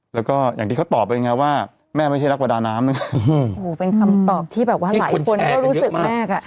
แล้วก็อย่างที่เขาตอบไปไงว่าแม่ไม่ใช่นักประดาน้ำนะโอ้โหเป็นคำตอบที่แบบว่าหลายคนก็รู้สึกมากอ่ะ